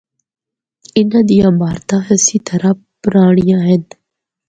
اِنّاں دیاں عمارتاں اسی طرح پرانڑیاں ہن۔